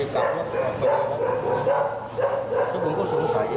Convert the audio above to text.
เข้าตรงมาตรงมานี้